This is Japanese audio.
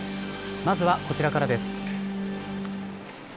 まずは、こちらからです。